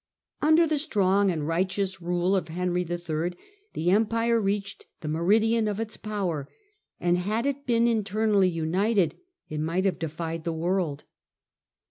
Under the strong and righteous rule of Henry III., the empire reached the meridian of its power, and had it been internally united, it might have defied the world.